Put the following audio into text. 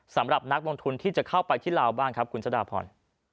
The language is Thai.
สำหรับนักลงทุนที่จะเข้าไปที่ลาวบ้างครับคุณชะดาพร